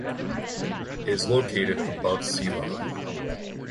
It is located above sea level.